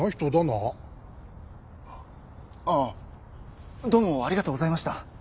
ああっどうもありがとうございました。